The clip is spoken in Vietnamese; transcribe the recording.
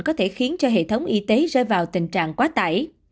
có thể khiến cho hệ thống y tế rơi vào tình trạng quá tải